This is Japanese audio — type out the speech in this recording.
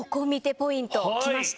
ポイントきました。